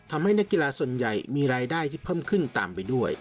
นักกีฬาส่วนใหญ่มีรายได้ที่เพิ่มขึ้นตามไปด้วย